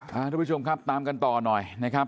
ทุรกราชุมครับตามกันต่อนอย่างนี้นะครับ